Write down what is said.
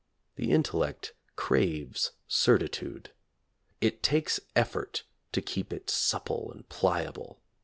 The in tellect craves certitude. It takes effort to keep it supple and pliable.